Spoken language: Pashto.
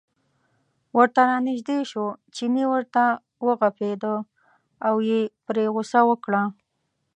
ورته را نژدې شو، چیني ورته و غپېده او یې پرې غوسه وکړه.